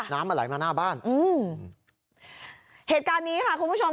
น้ำมันไหลมาหน้าบ้านอืมเหตุการณ์นี้ค่ะคุณผู้ชม